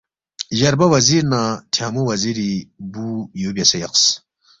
جربا وزیر نہ ٹھیانگمو وزیری بُو یو بیاسے یقس